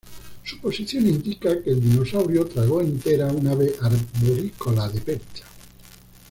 Su posición indica que el dinosaurio tragó entera un ave arborícola de percha.